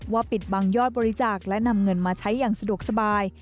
ปิดบังยอดบริจาคและนำเงินมาใช้อย่างสะดวกสบาย